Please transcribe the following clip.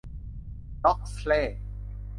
ล็อกซเล่ย์